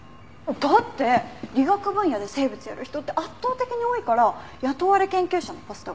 だって理学分野で生物やる人って圧倒的に多いから雇われ研究者のポストが空かないのよ。